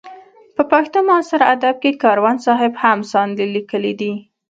په پښتو معاصر ادب کې کاروان صاحب هم ساندې لیکلې دي.